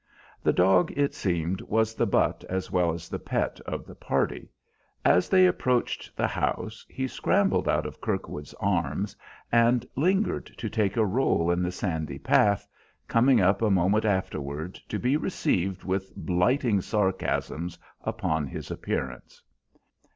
The dog, it seemed, was the butt as well as the pet of the party. As they approached the house he scrambled out of Kirkwood's arms and lingered to take a roll in the sandy path, coming up a moment afterward to be received with blighting sarcasms upon his appearance.